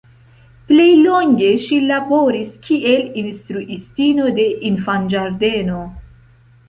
Plej longe ŝi laboris kiel instruistino de infanĝardeno.